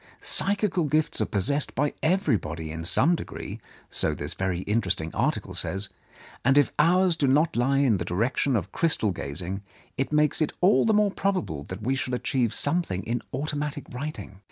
Psychical gifts are possessed by everybody in some degree, so this very interesting article says, and if ours do not lie in the direction of crystal gazing, it makes it all the more probable that we shall achieve something in automatic writing.